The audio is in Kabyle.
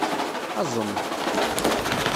Aẓem-d!